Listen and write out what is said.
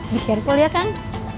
di kerkul ya kang